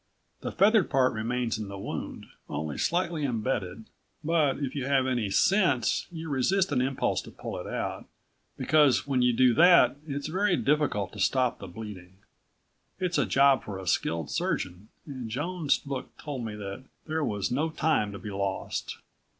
The feathered part remains in the wound, only slightly embedded. But if you have any sense you resist an impulse to pull it out, because when you do that it's very difficult to stop the bleeding. It's a job for a skilled surgeon and Joan's look told me that there was no time to be lost.